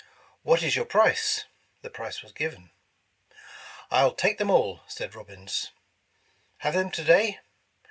*' What is your price ?'' The price was given. '* I '11 take them all, '' said Robbins. ''Have them to day?"